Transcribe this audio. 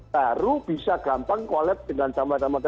baru bisa gampang collab dengan sama sama gede